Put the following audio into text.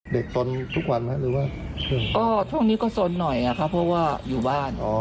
สนทุกวันหรือว่าก็ช่วงนี้ก็สนหน่อยอะครับเพราะว่าอยู่บ้าน